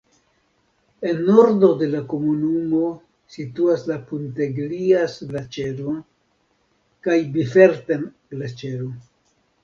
En nordo de la komunumo situas la Punteglias-Glaĉero kaj Biferten-Glaĉero.